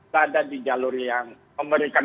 berada di jalur yang memberikan